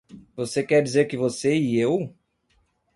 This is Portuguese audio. Você quer dizer que você e eu?